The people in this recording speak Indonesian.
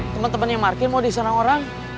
temen temen yang market mau diserang orang